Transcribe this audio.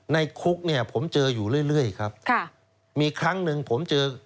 ในคุกเนี่ยผมเจออยู่เรื่อยเรื่อยครับค่ะมีครั้งหนึ่งผมเจอ